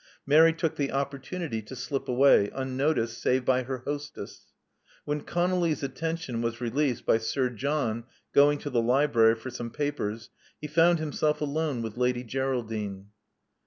Mary took the opportunity to slip away, unnoticed save by her hostess. When ConoUy's atten tion was released by Sir John going to the library for some papers, he found himself alone with Lady Geraldine.